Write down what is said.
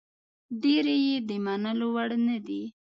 ډېرې یې د منلو وړ نه دي.